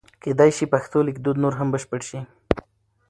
کېدای شي پښتو لیکدود نور هم بشپړ شي.